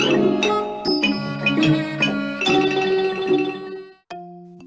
วก่อนไปเช่น